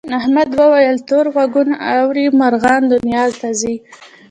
احمد وویل تور غوږو ارواوې مرغانو دنیا ته ځي.